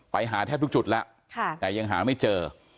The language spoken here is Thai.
ไปหาแทบทุกจุดแล้วแต่ยังหาไม่เจอ